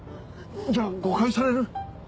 じゃあ誤解される？